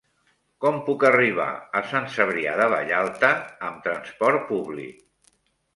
Com puc arribar a Sant Cebrià de Vallalta amb trasport públic?